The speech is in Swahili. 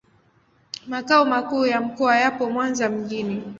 Makao makuu ya mkoa yapo Mwanza mjini.